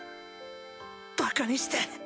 バカにして！